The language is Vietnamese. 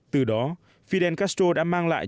từ đó fidel castro đã mang lại